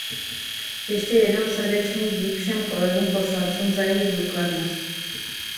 Ještě jednou srdečný dík všem kolegům poslancům za jejich důkladnost.